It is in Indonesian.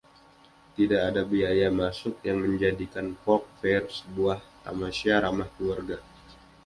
Tidak ada biaya masuk yang menjadikan Folk Fair sebuah tamasya ramah keluarga.